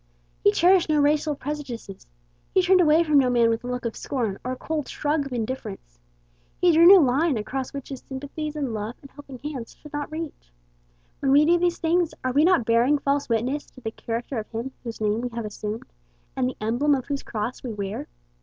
He cherished no racial prejudices. He turned away from no man with a look of scorn, or a cold shrug of indifference. He drew no line across which his sympathies and love and helping hands should not reach. When we do these things, are we not bearing false witness to the character of him whose name we have assumed, and the emblem of whose cross we wear?